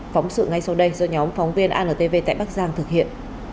phóng sự ngay sau đây do nhóm phóng viên antv tại bắc giang thực hiện